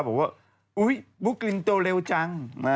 บอกว่าบุ๊คกลิ่นตัวเร็วจัง